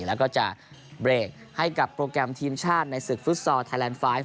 แล้วก็จะเบรกให้กับโปรแกรมทีมชาติในศึกฟุตซอลไทยแลนดไฟล์